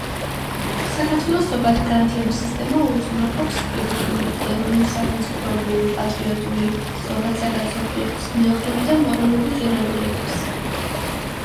საქართველოს ზოგადი განათლების სისტემა უზრუნველყოფს პიროვნული, ეროვნულსახელმწიფოებრივი, პატრიოტული, ზოგადსაკაცობრიო, ზნეობრივი და მორალური ღირებულებების